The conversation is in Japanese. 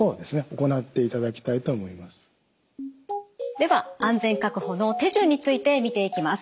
では「安全確保」の手順について見ていきます。